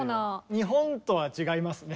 日本とは違いますね。